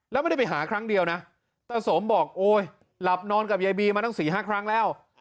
แล้วไม่ได้ไปหาครั้งเดียวนะตาสมบอกโอ๊ยหลับนอนกับยายบีมาตั้ง๔๕ครั้งแล้ว